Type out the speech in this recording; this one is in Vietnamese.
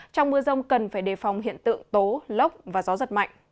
trong mưa rông cần phải đề phòng hiện tượng tố lốc và gió gió